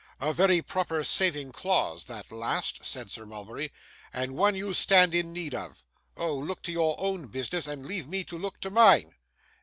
'A very proper saving clause, that last,' said Sir Mulberry; 'and one you stand in need of. Oh! look to your own business, and leave me to look to mine.